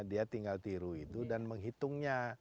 dia tinggal tiru itu dan menghitungnya